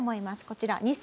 こちら。